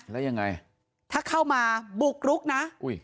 แล้วยังไงถ้าเข้ามาบุกรุกนะ